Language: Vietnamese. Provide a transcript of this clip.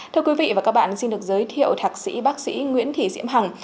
thưa quý vị và các bạn xin được giới thiệu thạc sĩ bác sĩ nguyễn thị diễm hằng